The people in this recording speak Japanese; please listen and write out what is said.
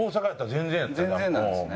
全然なんですね。